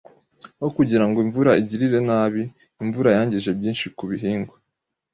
Aho kugira ngo imvura igirire nabi, imvura yangije byinshi ku bihingwa.